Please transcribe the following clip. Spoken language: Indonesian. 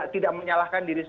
tidak menyalahkan diri